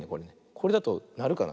これだとなるかな。